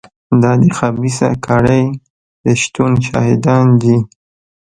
دا د خبیثه کړۍ د شتون شاهدان دي.